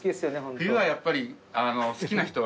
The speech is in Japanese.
冬はやっぱり好きな人は。